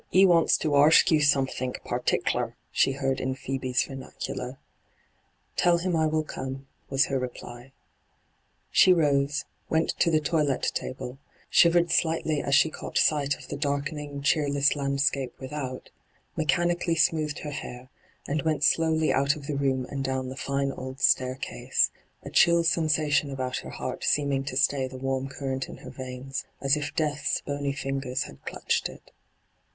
'£ wants to arsk you aomethink pertickler/ she heard in Phcebe's vernacular. ' Tell him I will come,' was her reply. She rose, went to the toilet table, shivered slightly as she caught sight of the darkening, cheerless landscape witiiout, mechanically smoothed her hair, and went slowly out of the room and down the fine old staircase, a hyGoo>^lc ENTRAPPED 107 chill sensation about her heart seeming to stay the warm current in her Teine, as if Death's bony fingers had clutched it.